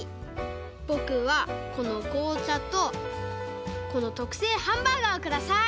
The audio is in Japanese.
ぼくはこのこうちゃとこのとくせいハンバーガーをください！